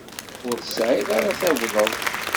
Ur tesεiḍ ara tagdeḍ.